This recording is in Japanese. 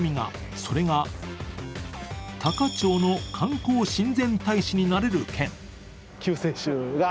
それが、多可町の観光親善大使になれる権。